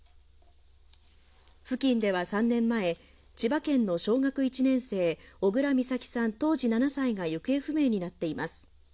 付近では３年前、千葉県の小学１年生、小倉美咲さん、当時７歳が行方不明になっています。